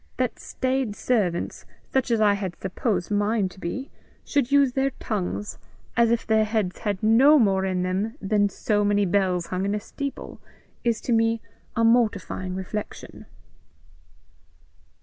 That staid servants, such as I had supposed mine to be, should use their tongues as if their heads had no more in them than so many bells hung in a steeple, is to me a mortifying reflection."